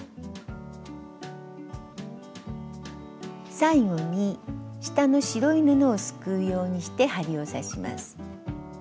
最後に下の白い布をすくうようにして針を刺します。